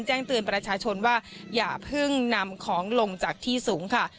แจ้งเตือนประชาชนว่าอย่าเพิ่งนำของลงจากที่สูงค่ะ